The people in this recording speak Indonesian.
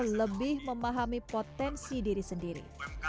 yang membuatnya merasa lebih memahami potensi diri sendiri